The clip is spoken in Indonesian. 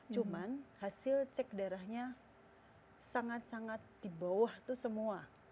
cuman hasil cek darahnya sangat sangat dibawah itu semua